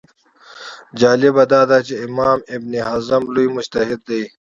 جالبه دا ده چې امام ابن حزم لوی مجتهد دی